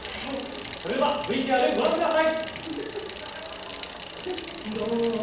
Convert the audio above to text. それではＶＴＲご覧ください。